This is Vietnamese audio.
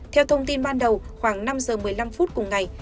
theo thông tin ban đầu khoảng năm giờ một mươi năm phút cùng ngày